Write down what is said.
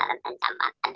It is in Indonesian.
ada ancaman yang tadi itu